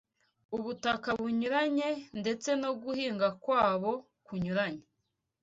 ubutaka bunyuranye ndetse no guhingwa kwabo kunyuranye